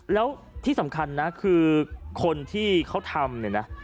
แล้วที่สำคัญนะคือคนที่เขาทำเนี่ยนะ